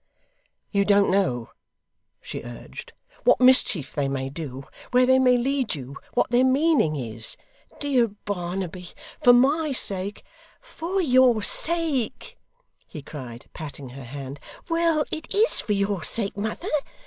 'You don't know,' she urged, 'what mischief they may do, where they may lead you, what their meaning is. Dear Barnaby, for my sake ' 'For your sake!' he cried, patting her hand. 'Well! It IS for your sake, mother.